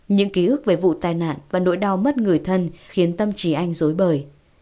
những ký ức về vụ tai nạn và nỗi đau mất người thân khiến tâm trí anh dối bời